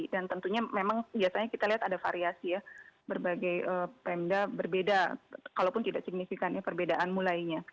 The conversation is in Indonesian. dan tentunya memang biasanya kita lihat ada variasi ya berbagai pemda berbeda kalaupun tidak signifikannya perbedaan mulainya